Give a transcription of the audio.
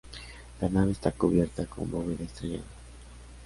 La nave está cubierta con bóveda estrellada.